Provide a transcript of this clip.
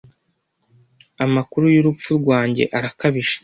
Amakuru y'urupfu rwanjye arakabije.